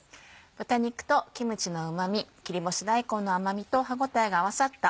豚肉とキムチのうま味切り干し大根の甘みと歯応えが合わさった